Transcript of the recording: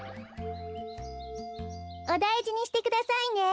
おだいじにしてくださいね。